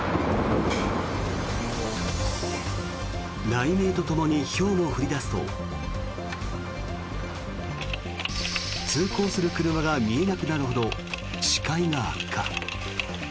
雷鳴とともにひょうも降り出すと通行する車が見えなくなるほど視界が悪化。